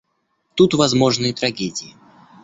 Тут возможны и трагедии.